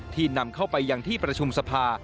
ที่นำเข้าไปอย่างที่ประชุมสภา